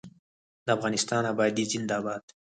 د افغانستان ابادي زنده باد.